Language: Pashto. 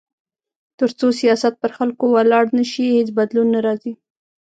تر څو سیاست پر خلکو ولاړ نه شي، هیڅ بدلون نه راځي.